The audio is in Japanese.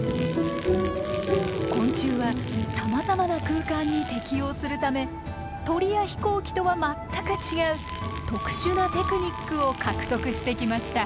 昆虫はさまざまな空間に適応するため鳥や飛行機とは全く違う特殊なテクニックを獲得してきました。